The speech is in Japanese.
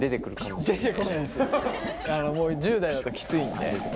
もう１０代だときついんで。